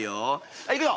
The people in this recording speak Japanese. はい行くよ。